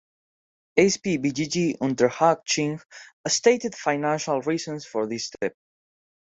SpVgg Unterhaching stated financial reasons for this step.